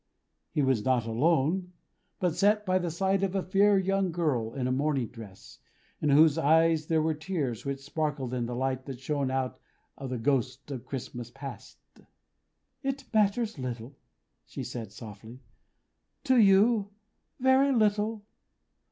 He was not alone, but sat by the side of a fair young girl in a mourning dress: in whose eyes there were tears, which sparkled in the light that shone out of the Ghost of Christmas Past. "It matters little," she said, softly. "To you, very little.